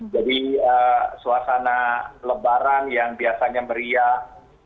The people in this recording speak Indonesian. jadi suasana lebaran yang biasanya meriah